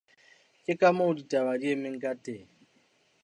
Ke ka moo ditaba di emeng ka teng.